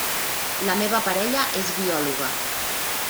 La meva parella és biòloga.